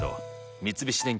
三菱電機